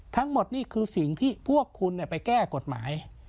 ทั้งหมดนี่คือสิ่งที่พวกคุณไปแก้กฎหมาย